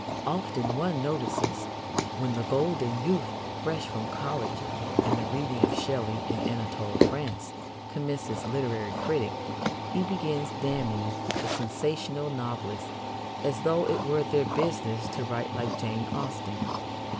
Often, one notices, when the golden youth, fresh from college and the reading of Shelley and Anatole France, commences literary critic, he begins damning the sensational novelists as though it were their business to write like Jane Austen.